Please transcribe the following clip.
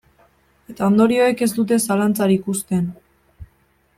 Eta ondorioek ez dute zalantzarik uzten.